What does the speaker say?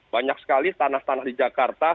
banyak sekali tanah tanah di jakarta